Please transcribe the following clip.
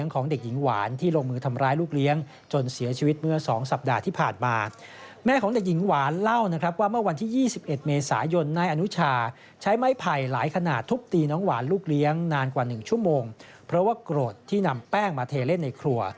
กว่า๑ชั่วโมงเพราะว่ากรดที่นำแป้งมาเทเล่นในครัว